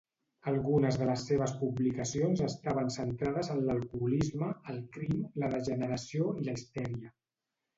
Algunes de les seves publicacions estaven centrades en l"alcoholisme, el crim, la degeneració i la histèria.